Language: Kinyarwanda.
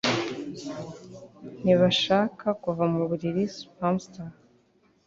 Ntibashaka kuva mu buriri. (Spamster)